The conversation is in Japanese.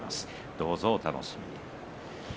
どうぞお楽しみに。